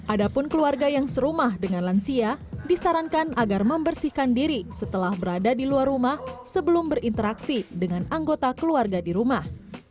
adapun keluarga yang serumah dengan lansia disarankan agar membersihkan diri setelah berada di luar rumah sebelum berinteraksi dengan anggota keluarga di rumah